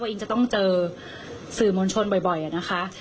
อิงจะต้องเจอสื่อมวลชนบ่อยนะคะ